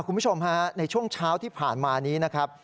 คุณผู้ชมฮะในช่วงเช้าที่ผ่านมานี้นะครับ